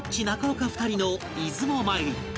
２人の出雲参り